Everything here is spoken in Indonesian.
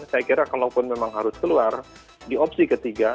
saya kira kalaupun memang harus keluar di opsi ketiga